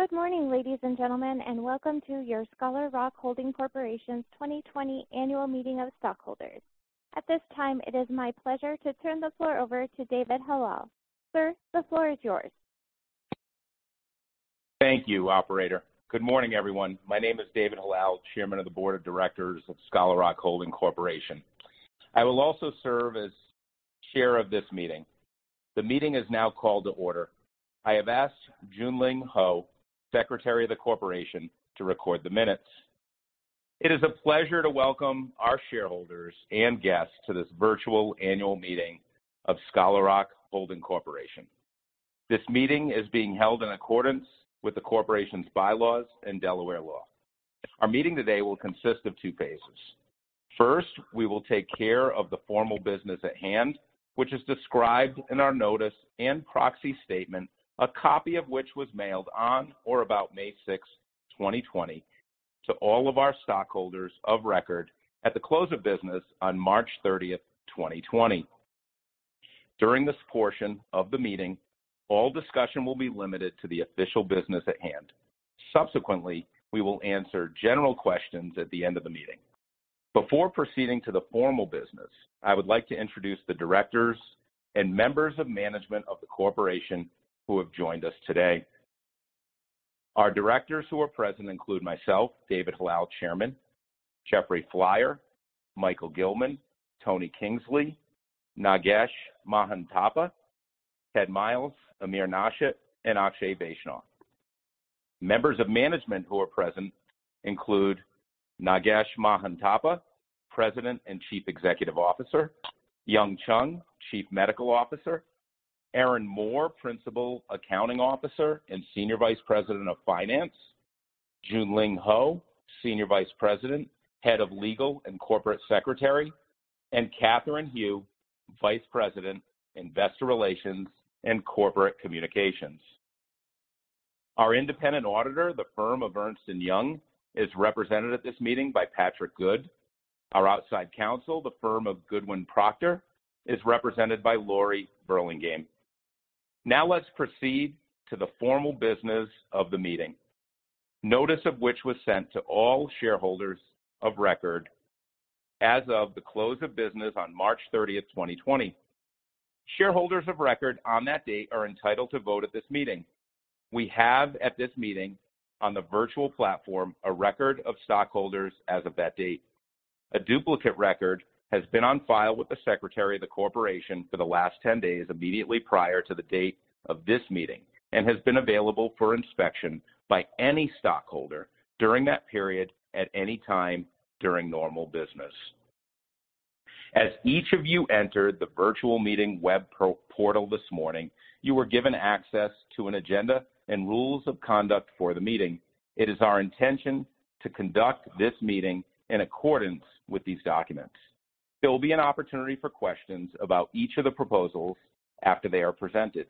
Good morning, ladies and gentlemen, and welcome to your Scholar Rock Holding Corporation's 2020 annual meeting of stockholders. At this time, it is my pleasure to turn the floor over to David Hallal. Sir, the floor is yours. Thank you, operator. Good morning, everyone. My name is David Hallal, chairman of the board of directors of Scholar Rock Holding Corporation. I will also serve as chair of this meeting. The meeting is now called to order. I have asked Junlin Ho, secretary of the corporation, to record the minutes. It is a pleasure to welcome our shareholders and guests to this virtual annual meeting of Scholar Rock Holding Corporation. This meeting is being held in accordance with the corporation's bylaws and Delaware law. Our meeting today will consist of two phases. First, we will take care of the formal business at hand, which is described in our notice and proxy statement, a copy of which was mailed on or about May 6, 2020, to all of our stockholders of record at the close of business on March 30, 2020. During this portion of the meeting, all discussion will be limited to the official business at hand. Subsequently, we will answer general questions at the end of the meeting. Before proceeding to the formal business, I would like to introduce the directors and members of management of the corporation who have joined us today. Our directors who are present include myself, David Hallal, Chairman, Jeffrey Flier, Michael Gilman, Tony Kingsley, Nagesh Mahanthappa, Ted Myles, Amir Nashat, and Akshay Vaishnaw. Members of management who are present include Nagesh Mahanthappa, President and Chief Executive Officer, Yung Chyung, Chief Medical Officer, Erin Moore, Principal Accounting Officer and Senior Vice President, Finance, Junlin Ho, Senior Vice President, Head of Legal & Corporate Secretary, and Catherine Hu, Vice President, Investor Relations and Corporate Communications. Our independent auditor, the firm of Ernst & Young, is represented at this meeting by Patrick Good. Our outside counsel, the firm of Goodwin Procter, is represented by Laurie Burlingame. Let's proceed to the formal business of the meeting, notice of which was sent to all shareholders of record as of the close of business on March 30, 2020. Shareholders of record on that date are entitled to vote at this meeting. We have at this meeting, on the virtual platform, a record of stockholders as of that date. A duplicate record has been on file with the secretary of the corporation for the last 10 days immediately prior to the date of this meeting and has been available for inspection by any stockholder during that period at any time during normal business. As each of you entered the virtual meeting web portal this morning, you were given access to an agenda and rules of conduct for the meeting. It is our intention to conduct this meeting in accordance with these documents. There will be an opportunity for questions about each of the proposals after they are presented.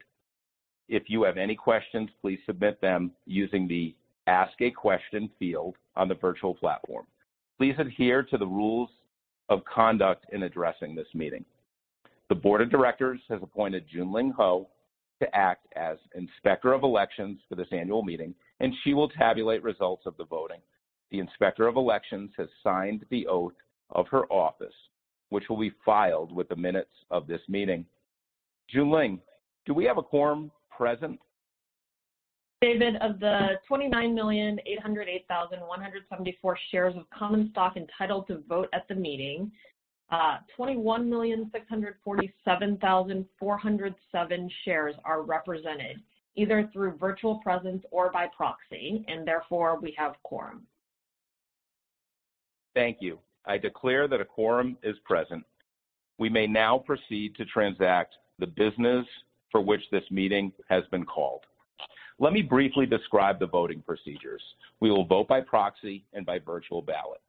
If you have any questions, please submit them using the Ask a Question field on the virtual platform. Please adhere to the rules of conduct in addressing this meeting. The Board of Directors has appointed Junlin Ho to act as Inspector of Elections for this annual meeting, and she will tabulate results of the voting. The Inspector of Elections has signed the oath of her office, which will be filed with the minutes of this meeting. Junlin, do we have a quorum present? David, of the 29,808,174 shares of common stock entitled to vote at the meeting, 21,647,407 shares are represented either through virtual presence or by proxy, and therefore we have quorum. Thank you. I declare that a quorum is present. We may now proceed to transact the business for which this meeting has been called. Let me briefly describe the voting procedures. We will vote by proxy and by virtual ballot.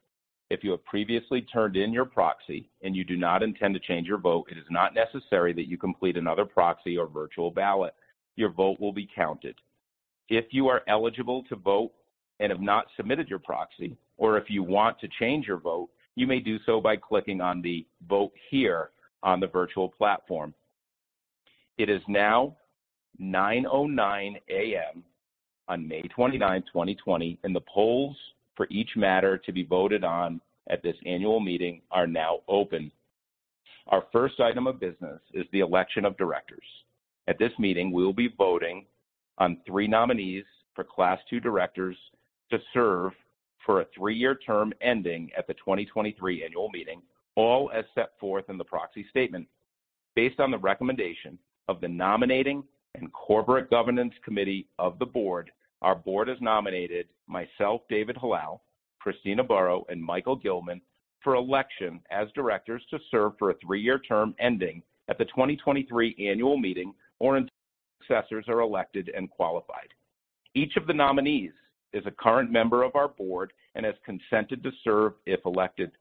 If you have previously turned in your proxy and you do not intend to change your vote, it is not necessary that you complete another proxy or virtual ballot. Your vote will be counted. If you are eligible to vote and have not submitted your proxy, or if you want to change your vote, you may do so by clicking on the Vote Here on the virtual platform. It is now 9:09 A.M. on May 29, 2020, and the polls for each matter to be voted on at this annual meeting are now open. Our first item of business is the election of directors. At this meeting, we will be voting on three nominees for Class II directors to serve for a three-year term ending at the 2023 annual meeting, all as set forth in the proxy statement. Based on the recommendation of the Nominating and Corporate Governance Committee of the board, our board has nominated myself, David Hallal, Kristina Burow, and Michael Gilman for election as directors to serve for a three-year term ending at the 2023 annual meeting or until successors are elected and qualified. Each of the nominees is a current member of our board and has consented to serve if elected.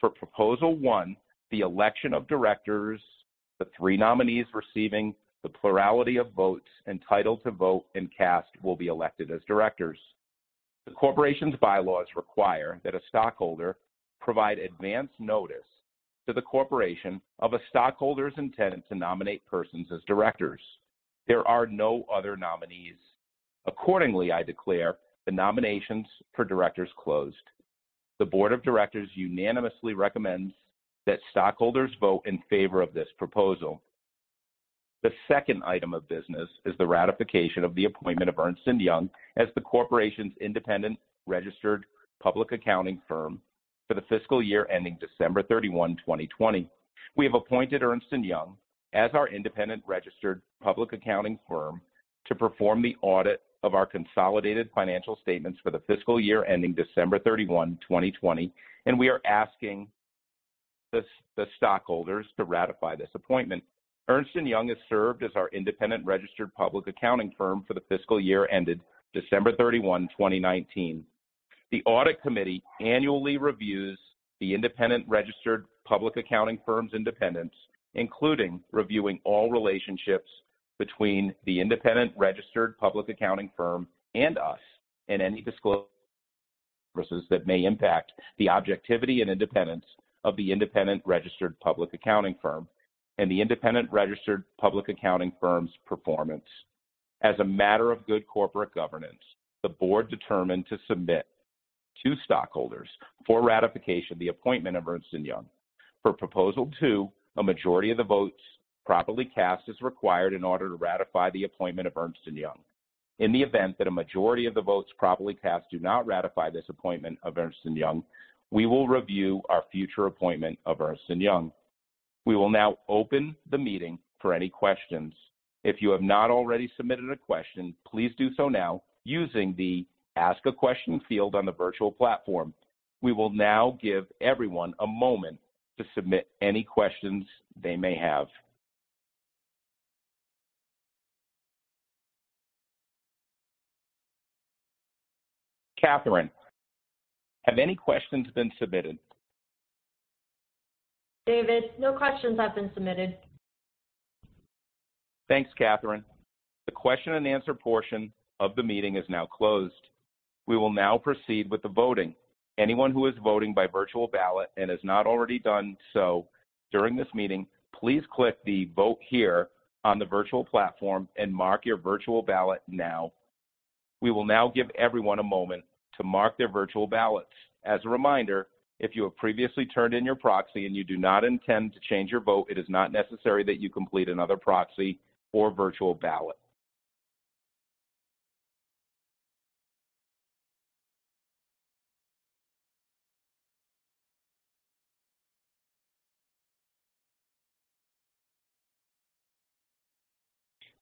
For Proposal One, the election of directors, the three nominees receiving the plurality of votes entitled to vote and cast will be elected as directors. The corporation's bylaws require that a stockholder provide advance notice to the corporation of a stockholder's intent to nominate persons as directors. There are no other nominees. Accordingly, I declare the nominations for directors closed. The board of directors unanimously recommends that stockholders vote in favor of this proposal. The second item of business is the ratification of the appointment of Ernst & Young as the corporation's independent registered public accounting firm for the fiscal year ending December 31, 2020. We have appointed Ernst & Young as our independent registered public accounting firm to perform the audit of our consolidated financial statements for the fiscal year ending December 31, 2020, and we are asking the stockholders to ratify this appointment. Ernst & Young has served as our independent registered public accounting firm for the fiscal year ended December 31, 2019. The audit committee annually reviews the independent registered public accounting firm's independence, including reviewing all relationships between the independent registered public accounting firm and us, and any disclosure versus that may impact the objectivity and independence of the independent registered public accounting firm, and the independent registered public accounting firm's performance. As a matter of good corporate governance, the board determined to submit to stockholders for ratification the appointment of Ernst & Young. For proposal two, a majority of the votes properly cast is required in order to ratify the appointment of Ernst & Young. In the event that a majority of the votes properly cast do not ratify this appointment of Ernst & Young, we will review our future appointment of Ernst & Young. We will now open the meeting for any questions. If you have not already submitted a question, please do so now using the Ask a Question field on the virtual platform. We will now give everyone a moment to submit any questions they may have. Catherine, have any questions been submitted? David, no questions have been submitted. Thanks, Catherine. The question and answer portion of the meeting is now closed. We will now proceed with the voting. Anyone who is voting by virtual ballot and has not already done so during this meeting, please click the Vote Here on the virtual platform and mark your virtual ballot now. We will now give everyone a moment to mark their virtual ballots. As a reminder, if you have previously turned in your proxy and you do not intend to change your vote, it is not necessary that you complete another proxy or virtual ballot.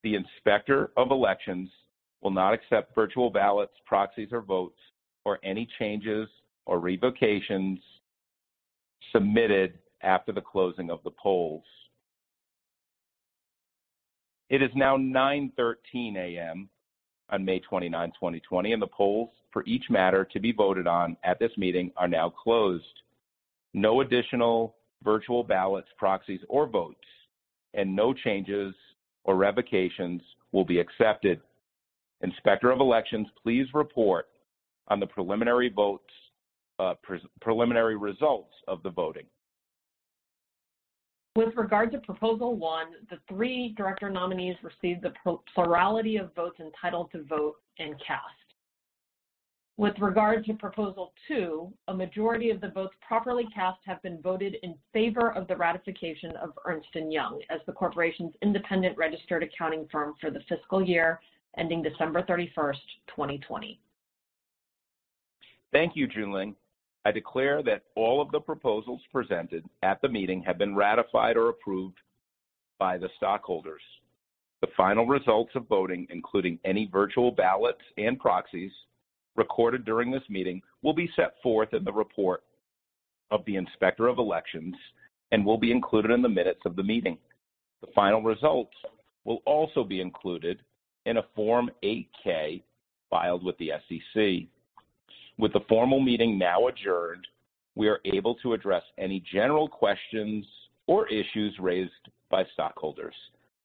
The Inspector of Elections will not accept virtual ballots, proxies or votes, or any changes or revocations submitted after the closing of the polls. It is now 9:13 A.M. on May 29, 2020, and the polls for each matter to be voted on at this meeting are now closed. No additional virtual ballots, proxies or votes, and no changes or revocations will be accepted. Inspector of Elections, please report on the preliminary results of the voting. With regard to proposal one, the three director nominees received the plurality of votes entitled to vote and cast. With regard to proposal two, a majority of the votes properly cast have been voted in favor of the ratification of Ernst & Young as the corporation's independent registered accounting firm for the fiscal year ending December 31st, 2020. Thank you, Junlin. I declare that all of the proposals presented at the meeting have been ratified or approved by the stockholders. The final results of voting, including any virtual ballots and proxies recorded during this meeting, will be set forth in the report of the Inspector of Elections and will be included in the minutes of the meeting. The final results will also be included in a Form 8-K filed with the SEC. With the formal meeting now adjourned, we are able to address any general questions or issues raised by stockholders.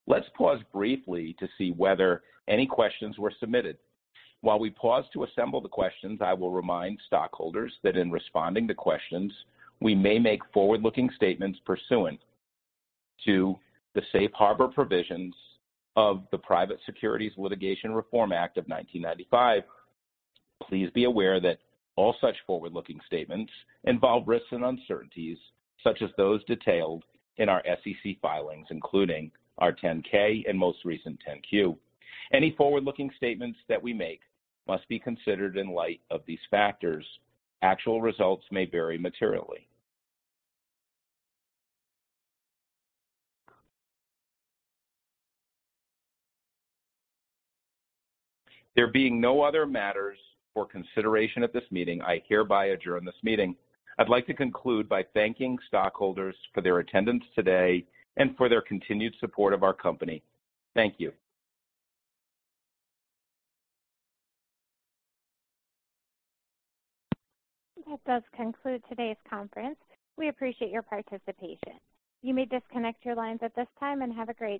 Let's pause briefly to see whether any questions were submitted. While we pause to assemble the questions, I will remind stockholders that in responding to questions, we may make forward-looking statements pursuant to the safe harbor provisions of the Private Securities Litigation Reform Act of 1995. Please be aware that all such forward-looking statements involve risks and uncertainties, such as those detailed in our SEC filings, including our 10-K and most recent 10-Q. Any forward-looking statements that we make must be considered in light of these factors. Actual results may vary materially. There being no other matters for consideration at this meeting, I hereby adjourn this meeting. I'd like to conclude by thanking stockholders for their attendance today and for their continued support of our company. Thank you. That does conclude today's conference. We appreciate your participation. You may disconnect your lines at this time, and have a great day.